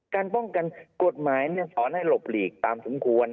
การป้องกันกฎหมายสอนให้หลบหลีกตามสมควร